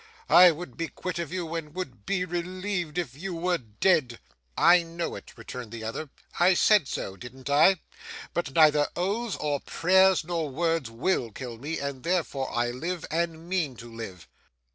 I would be quit of you, and would be relieved if you were dead.' 'I know it,' returned the other. 'I said so, didn't I? But neither oaths, or prayers, nor words, WILL kill me, and therefore I live, and mean to live.